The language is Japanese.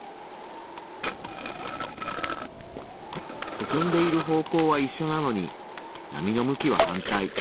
進んでいる方向はいっしょなのに波の向きは反対。